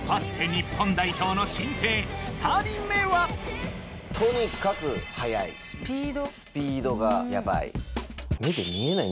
日本代表の新星２人目はとにかく速いスピードがヤバい。